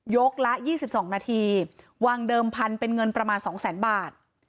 ละ๒๒นาทีวางเดิมพันธุ์เป็นเงินประมาณ๒แสนบาท